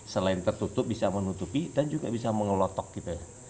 selain tertutup bisa menutupi dan juga bisa mengelotok gitu ya